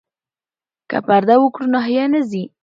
که پرده وکړو نو حیا نه ځي.